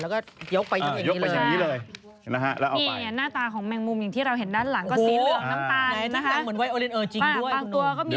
แล้วก็ยกไปอย่างนี้เลย